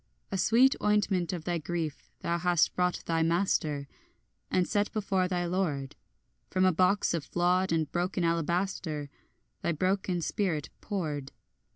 And sweet ointment of thy grief thou hast brought thy master, And set before thy lord, From a box of flawed and broken alabaster, Thy broken spirit, poured.